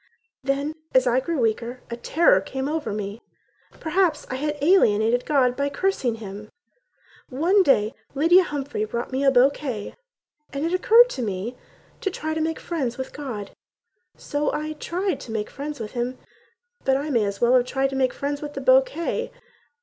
Then, as I grew weaker, a terror came over me: Perhaps I had alienated God by cursing him. One day Lydia Humphrey brought me a bouquet And it occurred to me to try to make friends with God, So I tried to make friends with Him; But I might as well have tried to make friends with the bouquet.